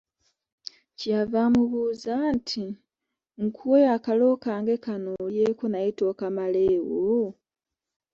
Kyeyava amubuuza nti "Nkuwe akalo kange kano olyeko naye tokamaleewo?